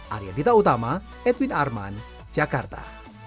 arya dita utama edwin arman jakarta